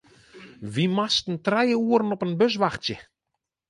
Wy moasten trije oeren op in bus wachtsje.